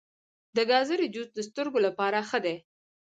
د ګازرې جوس د سترګو لپاره ښه دی.